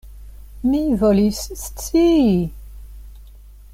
Mi volis scii!